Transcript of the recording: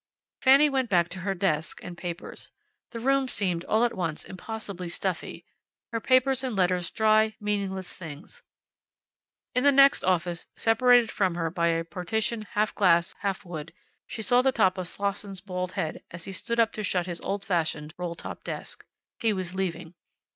Fanny went back to her desk and papers. The room seemed all at once impossibly stuffy, her papers and letters dry, meaningless things. In the next office, separated from her by a partition half glass, half wood, she saw the top of Slosson's bald head as he stood up to shut his old fashioned roll top desk. He was leaving.